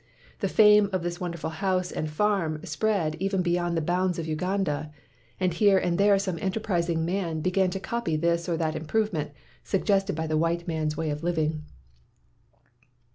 The fame of this wonderful house and farm spread even be yond the bounds of Uganda, and here and there some enterprising man began to copy this or that improvement suggested by the white man's way of living.